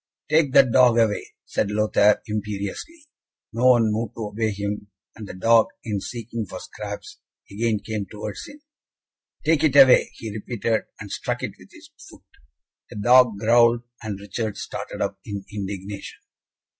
"Take that dog away," said Lothaire, imperiously. No one moved to obey him, and the dog, in seeking for scraps, again came towards him. "Take it away," he repeated, and struck it with his foot. The dog growled, and Richard started up in indignation.